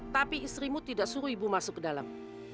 tapi istrimu tidak suruh ibu masuk ke dalam